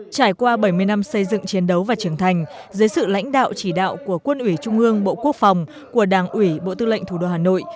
trải qua bảy mươi năm xây dựng chiến đấu và trưởng thành dưới sự lãnh đạo chỉ đạo của quân ủy trung ương bộ quốc phòng của đảng ủy bộ tư lệnh thủ đô hà nội